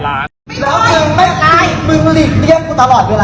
แล้วเธอไม่พูด